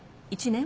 １年？